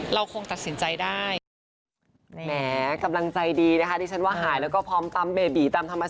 เราคงตัดสินใจได้